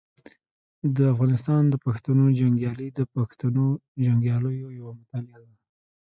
د افغانستان د پښتنو جنګیالي د پښتنو جنګیالیو یوه مطالعه ده.